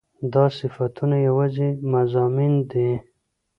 دا صفتونه يواځې مضامين دي